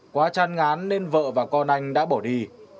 quá chăn ngán nên vợ và con anh đã bỏ đi